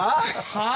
はあ？